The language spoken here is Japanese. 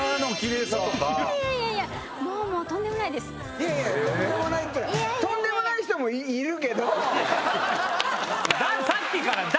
いやいやとんでもない人もいるけど。